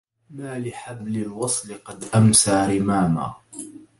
ما لحبل الوصل قد أمسى رماما